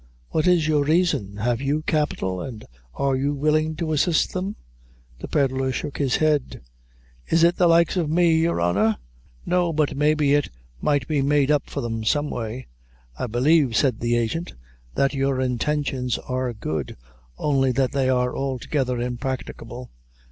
"What is your reason? Have you capital, and are you willing to assist them?" The pedlar shook his head. "Is it the likes o' me, your honor? No, but maybe it might be made up for them some way." "I believe," said the agent, "that your intentions are good; only that they are altogether impracticable.